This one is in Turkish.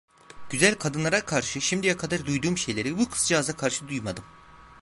Güzel kadınlara karşı şimdiye kadar duyduğum şeyleri bu kızcağıza karşı duymadım.